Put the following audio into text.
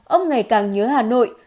ông ngày càng nhớ hà nội